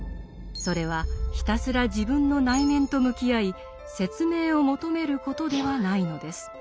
それはひたすら自分の内面と向き合い説明を求めることではないのです。